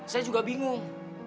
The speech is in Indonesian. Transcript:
saya juga bingung